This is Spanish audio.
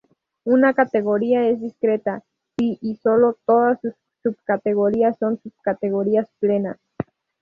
Una categoría es discreta si y solo si todas sus subcategorías son subcategorías plenas.